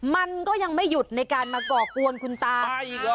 มันก็ยังไม่หยุดในการมาก่อกวนคุณตาอีกเหรอ